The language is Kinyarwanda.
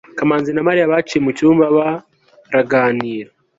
kamanzi na mariya bicaye mucyumba baraganira